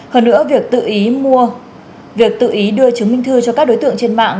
hơn nữa việc tự ý đưa chứng minh thư cho các đối tượng trên mạng